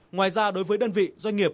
ngoài ra đối với đơn vị doanh nghiệp